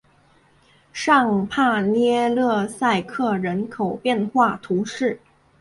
尚帕涅勒塞克人口变化图示